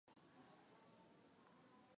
Mtandao inaanza aribisha wa toto kwa sasa